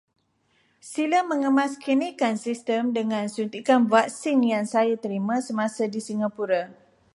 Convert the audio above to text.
Sila mengemaskinikan sistem dengan suntikan vaksin yang saya terima semasa di Singapura.